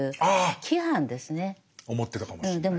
思ってたかもしれない。